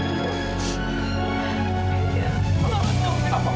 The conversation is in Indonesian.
aku mau anak ayah ibu